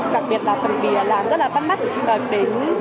đặc biệt là phần bìa làm rất là bắt mắt đến cả những bạn trẻ người trẻ